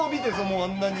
もうあんなに。